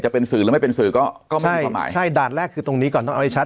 จะเป็นสื่อหรือไม่เป็นสื่อก็ใช่ใช่ดาดแรกคือตรงนี้ก่อนต้องเอาไว้ชัด